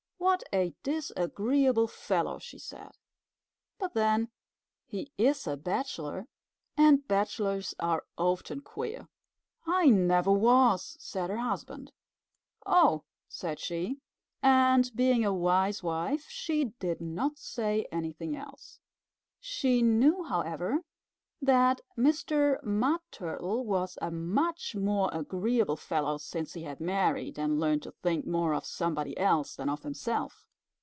"What a disagreeable fellow!" she said. "But then, he is a bachelor, and bachelors are often queer." "I never was," said her husband. "Oh!" said she. And, being a wise wife, she did not say anything else. She knew, however, that Mr. Mud Turtle was a much more agreeable fellow since he had married and learned to think more of somebody else than of himself.